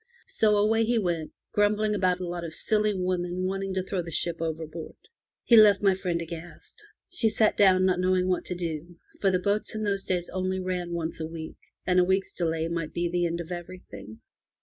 So away he went, grumbling about a lot of silly women wanting to throw the ship overboard. He left my friend aghast. She sat down, not knowing what to do, for the boats in those days only ran once a week, and a week's delay might be the end of every thing.